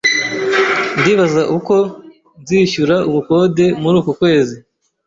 Ndibaza uko nzishyura ubukode muri uku kwezi.